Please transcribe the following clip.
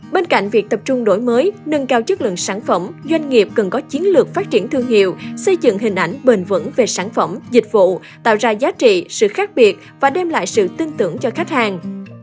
bên cạnh việc tập trung đổi mới nâng cao chất lượng sản phẩm doanh nghiệp cần có chiến lược phát triển thương hiệu xây dựng hình ảnh bền vững về sản phẩm dịch vụ tạo ra giá trị sự khác biệt và đem lại sự tin tưởng cho khách hàng